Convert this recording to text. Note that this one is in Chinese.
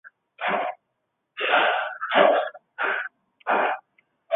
求其中